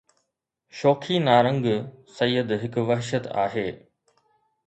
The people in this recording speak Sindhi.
شوخي نارنگ سيد هڪ وحشت آهي